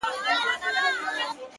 ماته په بلې دنیاګۍ تسلي مه راکوه